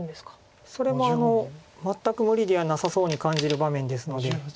それも全く無理ではなさそうに感じる場面ですので。